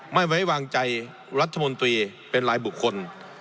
ไม่ไว้วางใจรัฐมนตรีเป็นรายบุคคล